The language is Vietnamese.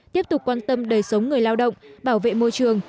tiếp tục quan tâm đời sống người lao động bảo vệ môi trường